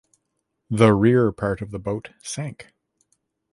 The rear part of the boat sank.